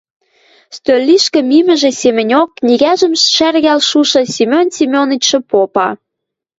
Стӧл лишкӹ мимӹжӹ семӹньок книгӓжӹм шӓргӓл шушы Семен Семенычшы попа: